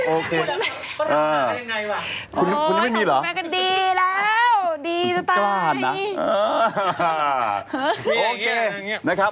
โอเคนะครับ